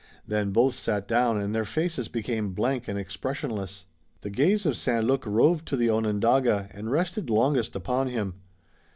Then both sat down and their faces became blank and expressionless. The gaze of St. Luc roved to the Onondaga and rested longest upon him.